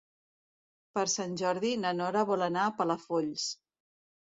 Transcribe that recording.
Per Sant Jordi na Nora vol anar a Palafolls.